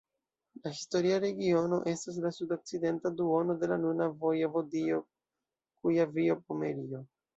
La historia regiono estas la sudokcidenta duono de la nuna vojevodio Kujavio-Pomerio.